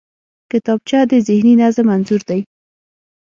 کتابچه د ذهني نظم انځور دی